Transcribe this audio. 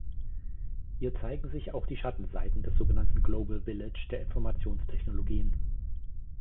Hier zeigen sich auch die Schattenseiten des sogenannten global village der Informationstechnologien.